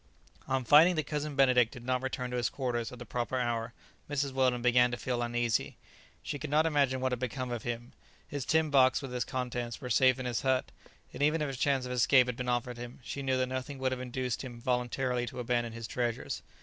On finding that Cousin Benedict did not return to his quarters at the proper hour, Mrs. Weldon began to feel uneasy. She could not imagine what had become of him; his tin box with its contents were safe in his hut, and even if a chance of escape had been offered him, she knew that nothing would have induced him voluntarily to abandon his treasures.